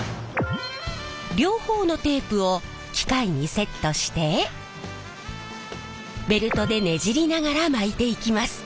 両方のテープを機械にセットしてベルトでねじりながら巻いていきます。